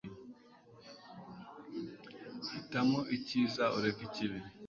hitamo ikiza ureke ikibi